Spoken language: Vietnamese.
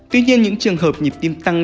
tuy nhiên những trường hợp nhịp tim tăng